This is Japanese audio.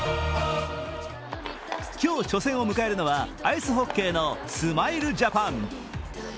今日初戦を迎えるのはアイスホッケーのスマイルジャパン。